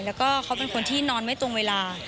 แล้วก็เขาเป็นคนที่นอนไม่ตรงเวลา